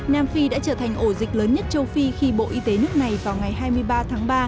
nam phi đã trở thành ổ dịch lớn nhất châu phi khi bộ y tế nước này vào ngày hai mươi ba tháng ba